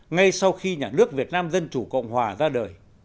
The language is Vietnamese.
ngay sau khi nhà nước việt nam dân chủ cộng hòa ra đời